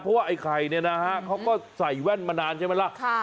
เพราะว่าไอ้ไข่เนี่ยนะฮะเขาก็ใส่แว่นมานานใช่ไหมล่ะ